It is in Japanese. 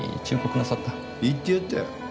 言ってやったよ。